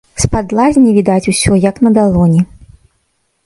З-пад лазні відаць усё як на далоні.